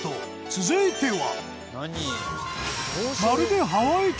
続いては。